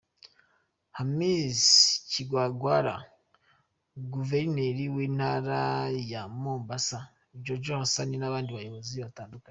Hamis Kigwangalla, Guverineri w’Intara ya Mombasa Joho Hassan n’abandi bayobozi batandukanye.